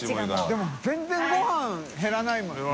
でも全然ごはん減らないもんね。